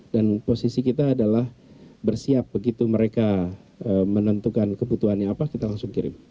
dan posisi kita adalah bersiap begitu mereka menentukan kebutuhannya apa kita langsung kirim